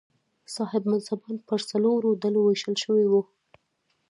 صاحب منصبان پر څلورو ډلو وېشل شوي وو.